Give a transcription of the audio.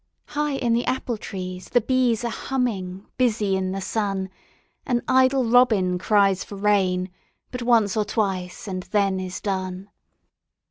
High in the apple trees the bees Are humming, busy in the sun, An idle robin cries for rain But once or twice and then is done.